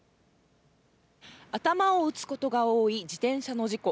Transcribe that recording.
頭を打つことが多い自転車の事故。